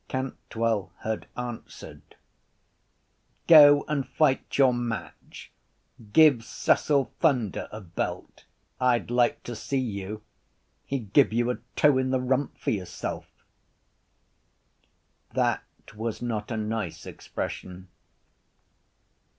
Cantwell had answered: —Go and fight your match. Give Cecil Thunder a belt. I’d like to see you. He’d give you a toe in the rump for yourself. That was not a nice expression.